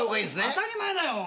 当たり前だよ。